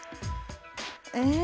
え